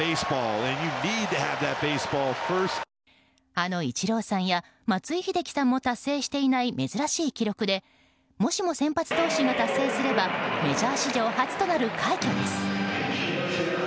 あのイチローさんや松井秀喜さんも達成していない珍しい記録でもしも先発投手が達成すればメジャー史上初となる快挙です。